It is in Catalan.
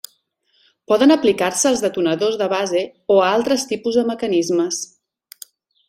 Poden aplicar-se als detonadors de base o a altres tipus de mecanismes.